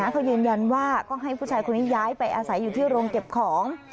เขายืนยันว่าก็ให้ผู้ชายคนนี้ย้ายไปอาศัยอยู่ที่โรงเก็บของ